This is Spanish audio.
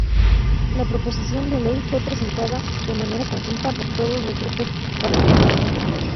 La proposición de Ley fue presentada de manera conjunta por todos los grupos parlamentarios.